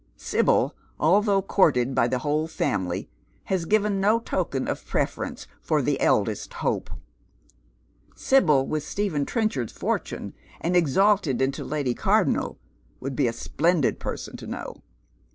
Sibyl, although courtod by the whole family, has given no token of preference for tlie eldest hope. Sibyl with Stephen Trenchard's fortune, and exalt' li into Lady Cardonnel, would be a splendid person to know.